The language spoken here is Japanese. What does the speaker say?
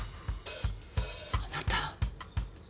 あなた。